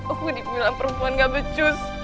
aku dibilang perempuan gak becus